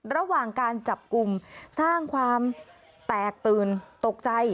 ระหว่างการจับกลุ่มสร้างความแตกตื่นตกใจ